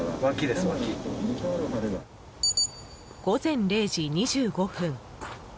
午前０時２５分。